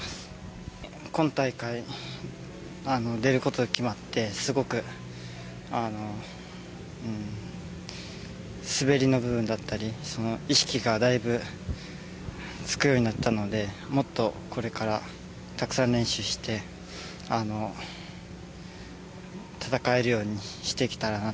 今大会出る事が決まってすごくあのうーん滑りの部分だったり意識がだいぶつくようになったのでもっとこれからたくさん練習して戦えるようにしていけたらなと思います。